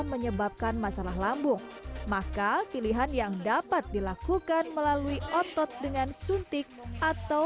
menyebabkan masalah lambung maka pilihan yang dapat dilakukan melalui otot dengan suntik atau